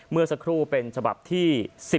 เมื่อสักครู่เป็นฉบับที่๔